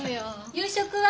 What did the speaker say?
夕食は？